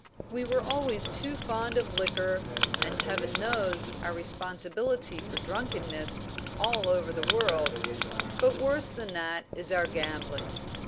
We were always too fond of liquor, and Heaven knows our responsibility for drunkenness all over the world; but worse than that is our gambling.